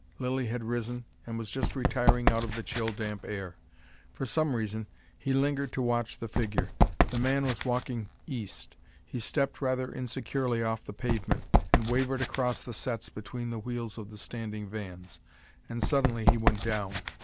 Lilly had risen and was just retiring out of the chill, damp air. For some reason he lingered to watch the figure. The man was walking east. He stepped rather insecurely off the pavement, and wavered across the setts between the wheels of the standing vans. And suddenly he went down.